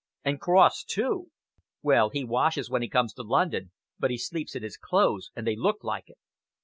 And Cross, too! Well, he washes when he comes to London, but he sleeps in his clothes and they look like it."